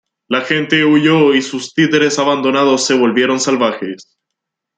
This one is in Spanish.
La gente huyó y sus títeres abandonados se volvieron salvajes.